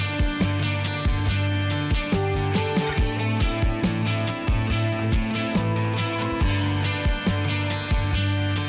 akhirnya jadi itu